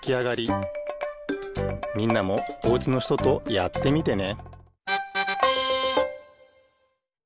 みんなもおうちのひととやってみてね